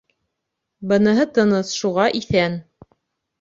— Быныһы тыныс, шуға иҫән.